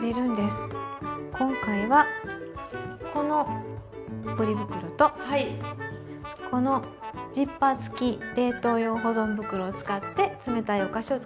今回はこのポリ袋とこのジッパー付き冷凍用保存袋を使って冷たいお菓子を作ります。